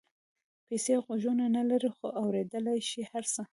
پیسې غوږونه نه لري خو اورېدلای شي هر څه.